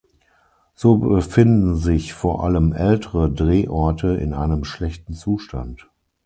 So befinden sich vor allem ältere Drehorte in einem schlechten Zustand.